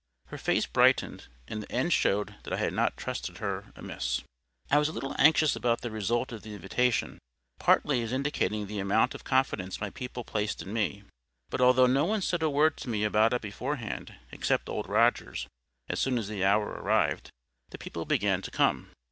Her face brightened; and the end showed that I had not trusted her amiss. I was a little anxious about the result of the invitation—partly as indicating the amount of confidence my people placed in me. But although no one said a word to me about it beforehand except Old Rogers, as soon as the hour arrived, the people began to come.